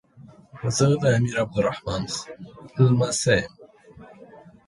زه د امیر عبدالرحمان لمسی یم.